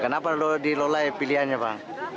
kenapa dilulai pilihannya pak